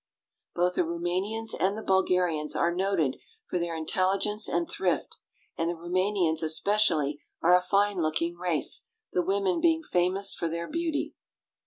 Both the Roumanians and the Bulgarians are noted for their intelligence and thrift, and the Roumanians especially are a fine looking race, the women being famous for their beauty.